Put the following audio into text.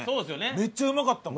めっちゃうまかったもん。